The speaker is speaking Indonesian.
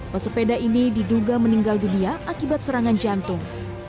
pesepeda ini diduga meninggal dunia akibat serangan jantung